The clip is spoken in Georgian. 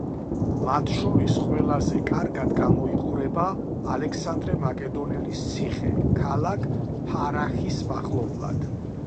მათ შორის ყველაზე კარგად გამოიყურება ალექსანდრე მაკედონელის ციხე ქალაქ ფარაჰის მახლობლად.